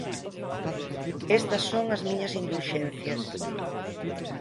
Estas son as miñas indulxencias.